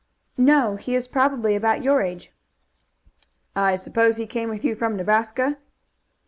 "No; he is probably about your age." "I suppose he came with you from Nebraska?"